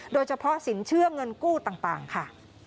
โดยเฉพาะสินเชื่อเงินกู้ต่างค่ะ